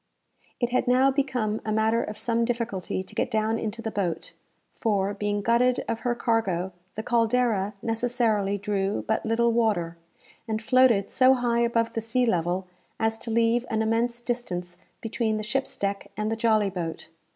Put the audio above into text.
It had now become a matter of some difficulty to get down into the boat; for, being gutted of her cargo, the "Caldera" necessarily drew but little water, and floated so high above the sea level, as to leave an immense distance between the ship's deck and the jolly boat.